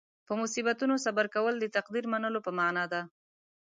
په مصیبتونو صبر کول د تقدیر منلو په معنې ده.